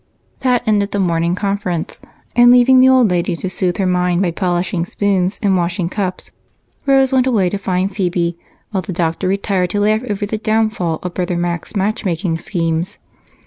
That ended the morning conference. And, leaving the old lady to soothe her mind by polishing spoons and washing cups, Rose went away to find Phebe while the doctor retired to laugh over the downfall of brother Mac's matchmaking schemes.